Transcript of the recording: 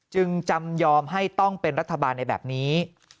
จึงจำยอมให้ต้องเป็นรัฐบาลในแบบนี้